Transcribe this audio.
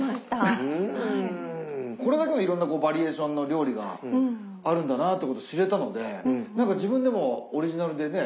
これだけのいろんなバリエーションの料理があるんだなってことを知れたので何か自分でもオリジナルでね